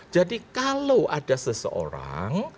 jadi kalau ada seseorang